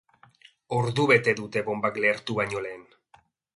Ordubete dute bonbak lehertu baino lehen.